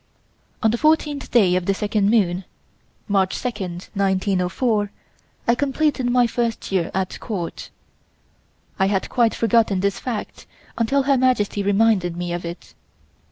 On the fourteenth day of the second moon (March 2, 1904), I completed my first year at Court. I had quite forgotten this fact until Her Majesty reminded me of it.